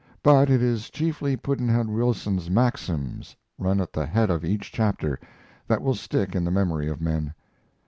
But it is chiefly Pudd'nhead Wilson's maxims, run at the head of each chapter, that will stick in the memory of men.